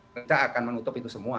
kita akan menutup itu semua